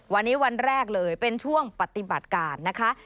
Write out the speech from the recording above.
วันนี้วันแรกเลยเป็นช่วงปฏิบัติการนะคะ